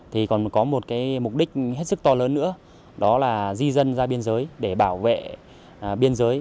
thì còn có một mục đích hết sức to lớn nữa đó là di dân ra biên giới để bảo vệ biên giới